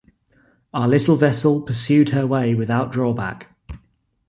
Our little vessel pursued her way without drawback.